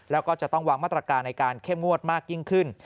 แล้วก็จะต้องวางมาตรการในการเข้มงวดมากยิ่งขึ้น